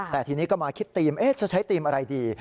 แต่ทีนี้ก็มาคิดธีมจะใช้ธีมอะไรดี